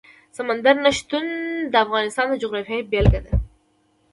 سمندر نه شتون د افغانستان د جغرافیې بېلګه ده.